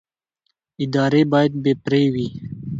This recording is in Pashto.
ادارې باید بې پرې وي